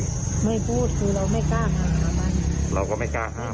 ไม่พูดคือเราไม่กล้าหามันเราก็ไม่กล้าห้าม